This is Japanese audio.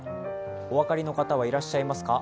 お分かりの方はいらっしゃいますか？